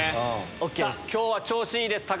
今日調子いいです